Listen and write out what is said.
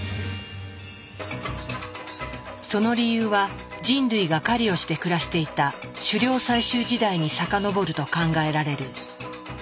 その理由は人類が狩りをして暮らしていた狩猟採集時代に遡ると考えられる。